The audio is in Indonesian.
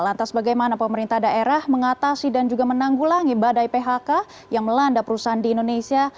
lantas bagaimana pemerintah daerah mengatasi dan juga menanggulangi badai phk yang melanda perusahaan di indonesia